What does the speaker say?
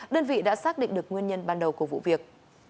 đơn vị đã xác định được nguyên nhân ban đầu của vụ việc